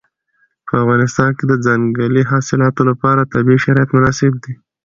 په افغانستان کې د ځنګلي حاصلاتو لپاره طبیعي شرایط مناسب دي.